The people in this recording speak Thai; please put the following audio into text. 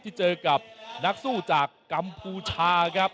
ที่เจอกับนักสู้จากกัมพูชาครับ